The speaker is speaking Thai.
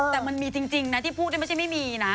แต่มันมีจริงนะที่พูดนี่ไม่ใช่ไม่มีนะ